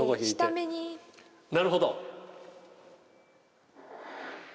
なるほど！